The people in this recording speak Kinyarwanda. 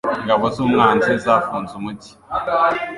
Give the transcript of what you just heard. Ingabo z'umwanzi zafunze umujyi.